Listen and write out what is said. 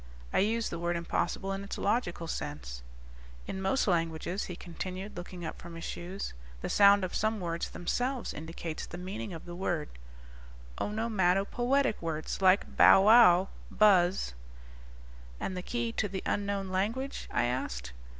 I use the word impossible in its logical sense._ "In most languages," he continued, looking up from his shoes, "the sound of some words themselves indicates the meaning of the word. Onomatopoetic words like bowwow, buzz." "And the key to the unknown language?" I asked.